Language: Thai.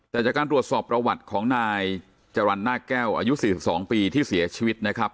แต่จากการตรวจสอบประวัติของนายจรรย์หน้าแก้วอายุ๔๒ปีที่เสียชีวิตนะครับ